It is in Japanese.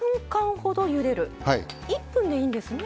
１分でいいんですね。